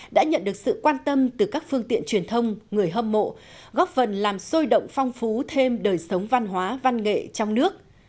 đã nhận được sự quan tâm từ các phương tiện truyền thông người hâm mộ góp phần làm sôi động phong phú thêm đời sống văn hóa văn nghệ trong nước